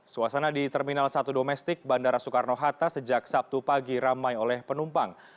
suasana di terminal satu domestik bandara soekarno hatta sejak sabtu pagi ramai oleh penumpang